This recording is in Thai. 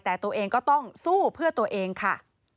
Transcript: แต่ตัวเองก็ต้องสู้เพื่อตัวเองค่ะ